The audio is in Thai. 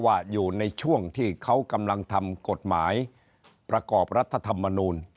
อยู่ในช่วงที่เขากำลังทำกฎหมายประกอบรัฐธรรมนูล